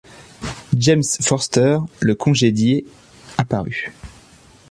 James Forster, le congédié, apparut.